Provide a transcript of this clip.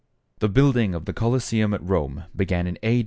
= The building of the Colosseum at Rome began in A.